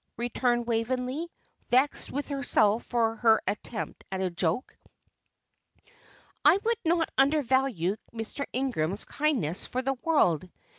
returned Waveney, vexed with herself for her attempt at a joke. "I would not undervalue Mr. Ingram's kindness for the world.